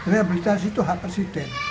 rehabilitasi itu hak presiden